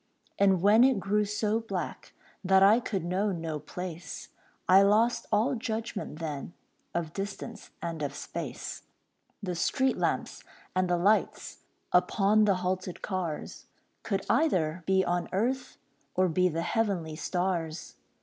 And when it grew so black That I could know no place, I lost all judgment then, Of distance and of space. The street lamps, and the lights Upon the halted cars, Could either be on earth Or be the heavenly stars.